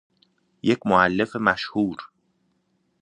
یک مولف مشهور